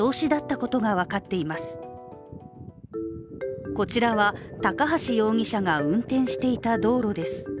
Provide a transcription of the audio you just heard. こちらは、高橋容疑者が運転していた道路です。